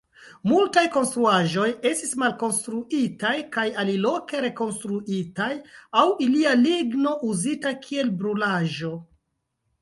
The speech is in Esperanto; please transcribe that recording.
Multaj konstruaĵoj estis malkonstruitaj kaj aliloke rekonstruitaj aŭ ilia ligno uzita kiel brulaĵo.